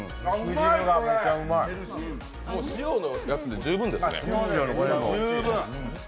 塩のやつで十分ですね。